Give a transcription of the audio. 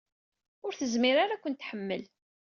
Ur tezmir ara ad ken-tḥemmel.